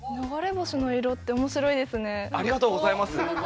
ありがとうございます。